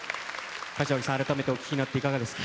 柏木さん、改めてお聴きになっていかがですか。